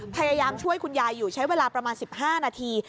พยายามช่วยคุณยายอยู่ใช้เวลาประมาณ๑๕นาที